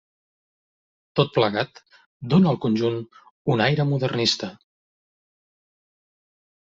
Tot plegat dóna al conjunt un aire modernista.